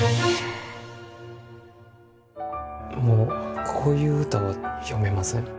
もうこういう歌は詠めません。